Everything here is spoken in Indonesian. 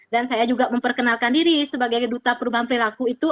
dan saya juga memperkenalkan diri sebagai duta perubahan perilaku itu